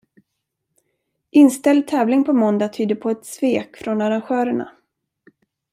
Inställd tävling på måndag tyder på ett svek från arrangörerna.